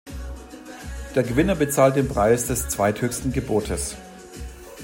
Der Gewinner bezahlt den Preis des "zweithöchsten Gebotes".